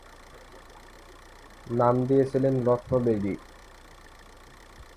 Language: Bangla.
নাম দিয়েছিলেন রত্ন-বেদী।